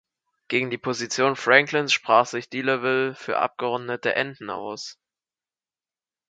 Gegen die Position Franklins sprach sich Delaval für abgerundete Enden aus.